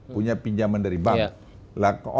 punya pinjaman dari bank